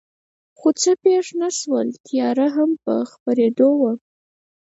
خو څه پېښ نه شول، تیاره هم په خپرېدو وه.